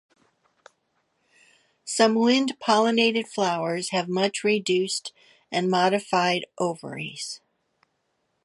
Some wind pollinated flowers have much reduced and modified ovaries.